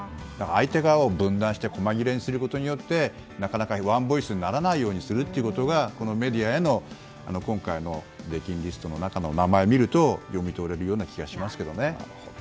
相手側を分断して細切れにすることによってなかなかワンボイスにならないようにするということがこのメディアへの今回の出禁リストの中の名前を見ると、読み取れるような気がしますけどね。